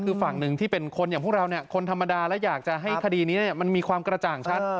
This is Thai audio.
คือฝั่งหนึ่งที่เป็นคนอย่างพวกเราคนธรรมดาและอยากจะให้คดีนี้มันมีความกระจ่างชัด